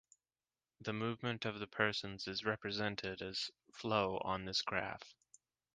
The movement of the persons is represented as flow on this graph.